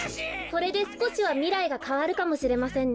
これですこしはみらいがかわるかもしれませんね。